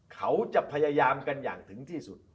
เขาจะพยายามกันอย่างถึงที่สุด